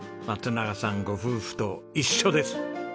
松永さんご夫婦と一緒です！